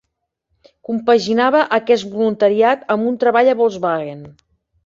Compaginava aquest voluntariat amb un treball a Volkswagen.